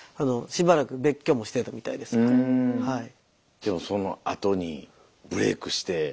でもそのあとにブレークして。